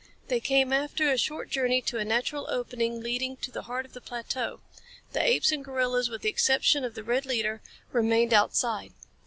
They came after a short journey to a natural opening leading to the heart of the plateau. The apes and gorillas, with the exception of the red leader, remained outside.